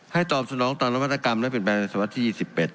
ให้ตอบสนองตอนรับมาตรกรรมและเป็นแบบศัพท์ที่๒๑